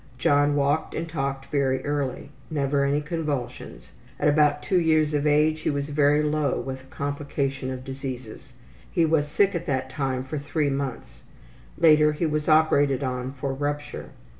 John walked and talked very early. Never any convulsions. At about two years of age he was very low with a complication of diseases. He was sick at that time for three months. Later he was operated on for rupture.